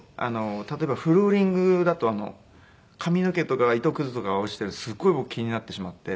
例えばフローリングだと髪の毛とか糸くずとかが落ちてるとすごい僕気になってしまって。